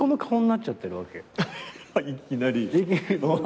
いきなり？